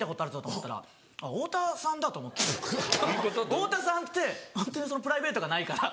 太田さんってホントにプライベートがないから。